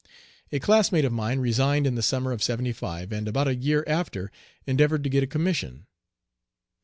A classmate of mine resigned in the summer of '75, and about a year after endeavored to get a commission.